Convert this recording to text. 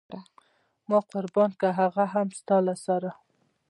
ما قربان کړ هغه هم د ستا له سره.